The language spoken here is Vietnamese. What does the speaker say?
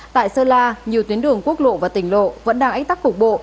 tại sơ la nhiều tuyến đường quốc lộ và tỉnh lộ vẫn đang ánh tắc cục bộ